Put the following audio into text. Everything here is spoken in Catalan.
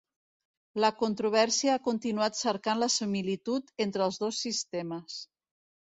La controvèrsia ha continuat cercant la similitud entre els dos sistemes.